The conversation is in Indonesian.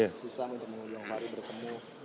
susah untuk mengunduh yang baru bertemu